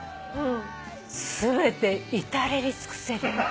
全て至れり尽くせり。